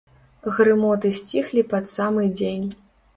Грымоты сціхлі пад самы дзень.